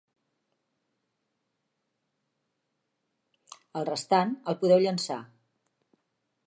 El restant, el podeu llençar.